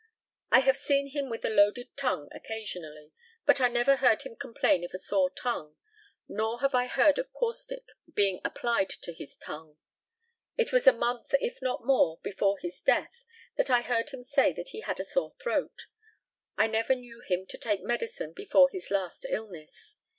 I have seen him with a "loaded" tongue occasionally, but I never heard him complain of a sore tongue, nor have I heard of caustic being applied to his tongue. It was a month, if not more, before his death that I heard him say he had a sore throat. I never knew him to take medicine before his last illness.